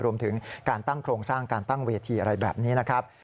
รวมถึงการตั้งโครงสร้างการตั้งเวทีอะไรแบบนี้นะครับ